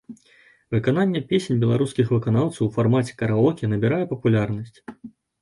Выкананне песень беларускіх выканаўцаў у фармаце караоке набірае папулярнасць.